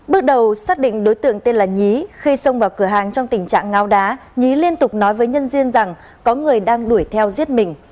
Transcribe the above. bước đầu xác định đối tượng tên là nhí khi xông vào cửa hàng trong tình trạng ngao đá nhí liên tục nói với nhân riêng rằng có người đang đuổi theo giết mình